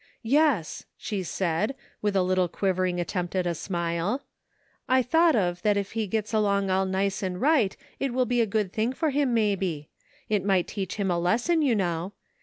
"Yes," she said, with a little quivering attempt at a smile, '' I thought of that if he gets along all nice and right it will be a good thing for him, maybe. It might teach him a lesson, you know.